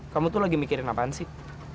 kamu tuh lagi mikirin apaan sih